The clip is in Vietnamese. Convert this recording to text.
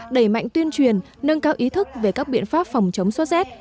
đẩy mạnh tuyên truyền nâng cao ý thức về các biện pháp phòng chống sốt z